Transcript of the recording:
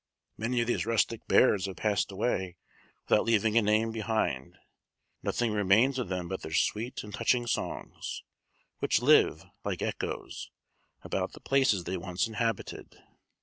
Many of these rustic bards have passed away, without leaving a name behind them; nothing remains of them but their sweet and touching songs, which live, like echoes, about the places they once inhabited.